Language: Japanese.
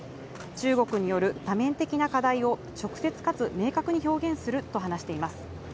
中国による多面的な課題を直接かつ明確に表現すると話しています。